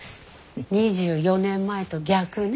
２４年前と逆ね。